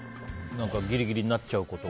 ギリギリになっちゃうことが。